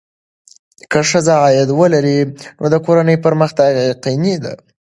که ښځه عاید ولري، نو د کورنۍ پرمختګ یقیني دی.